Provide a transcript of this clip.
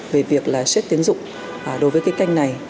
về việc là xếp tiến dụng đối với cái kênh này